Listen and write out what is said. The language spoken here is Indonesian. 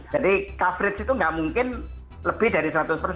jadi coverage itu nggak mungkin lebih dari seratus